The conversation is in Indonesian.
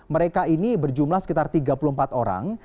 mereka ini berjumlah sekitar tiga puluh empat orang